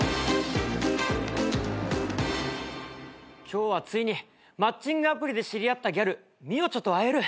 今日はついにマッチングアプリで知り合ったギャルミヨチョと会える。